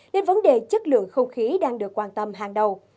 nên vấn đề chất lượng không khí đang được quan tâm hàng đầu